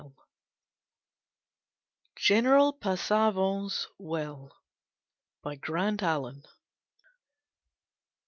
GENERAL PASSAVANT'S WILL BY GRANT ALLEN.